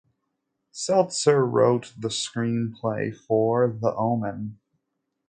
Seltzer wrote the screenplay for "The Omen".